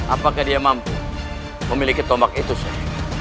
apakah dia mampu memiliki tombak itu chef